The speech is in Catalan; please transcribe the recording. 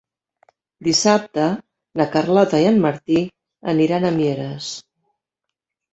Dissabte na Carlota i en Martí aniran a Mieres.